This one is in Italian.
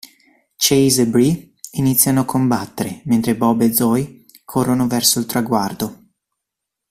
Chase e Bree iniziano a combattere mentre Bob e Zoe corrono verso il traguardo.